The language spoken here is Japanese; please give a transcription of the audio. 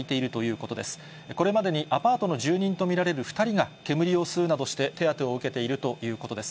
これまでにアパートの住人と見られる２人が煙を吸うなどして、手当てを受けているということです。